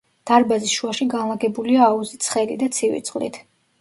დარბაზის შუაში განლაგებულია აუზი ცხელი და ცივი წყლით.